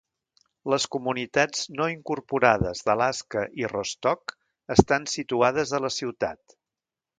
Les comunitats no incorporades d'Alaska i Rostok estan situades a la ciutat.